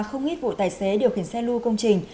không ít vụ tài xế điều khiển xe lưu công trình